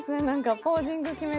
ポージング決めて。